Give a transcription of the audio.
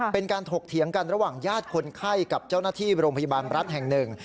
ถกเถียงกันระหว่างญาติคนไข้กับเจ้าหน้าที่โรงพยาบาลรัฐแห่งหนึ่ง